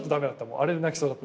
あれで泣きそうだった。